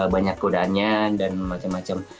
banyak godaannya dan macam macam